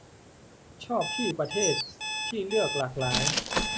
ชอบที่ประเทศที่เลือกหลากหลาย